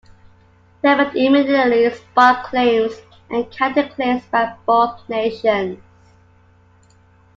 The event immediately sparked claims and counter-claims by both nations.